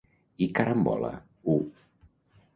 I “Carambola”? u.